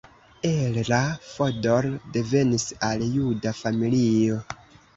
Ella Fodor devenis el juda familio.